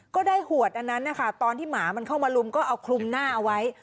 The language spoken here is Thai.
ก็ได้ขวดอันนั้นนะคะตอนที่หมามันเข้ามาลุมก็เอาคลุมหน้าเอาไว้